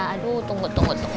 aduh tunggu tunggu tunggu